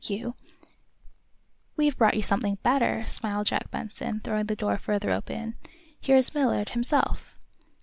You " "We've brought you something better," smiled Jack Benson, throwing the door further open. "Here is Millard, himself."